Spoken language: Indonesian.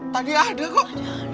tadi ada kok